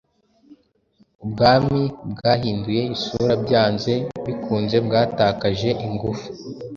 Ubwami bwahinduye isura byanze bikunze bwatakaje ingufu.